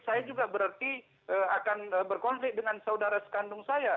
saya juga berarti akan berkonflik dengan saudara sekandung saya